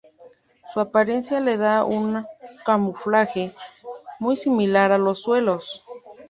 Su apariencia les da un camuflaje muy similar a los suelos.